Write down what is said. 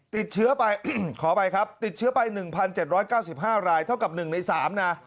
ติดเชื้อไป๑๗๙๕รายเท่ากับ๑ใน๓นะ